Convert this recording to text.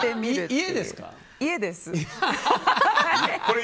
家です。